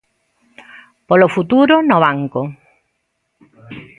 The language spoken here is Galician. Polo futuro no banco.